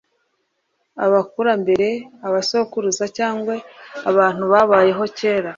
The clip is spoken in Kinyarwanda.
abakurambere abasokuruza cyangwa abantu babayeho kera